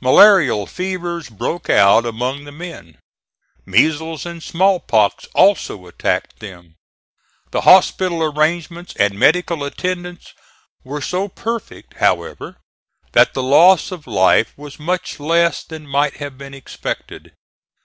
Malarial fevers broke out among the men. Measles and small pox also attacked them. The hospital arrangements and medical attendance were so perfect, however, that the loss of life was much less than might have been expected.